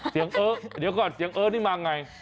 เสียงเอ๊ะเดี๋ยวก่อนเสียงเอ๊ะนี่มาไง